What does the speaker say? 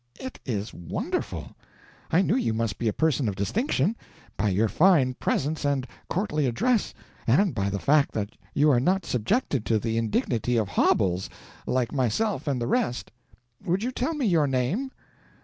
"It is wonderful! I knew you must be a person of distinction, by your fine presence and courtly address, and by the fact that you are not subjected to the indignity of hobbles, like myself and the rest. Would you tell me your name?"